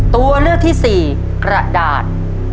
ตัวเลือกที่สี่กระดาษ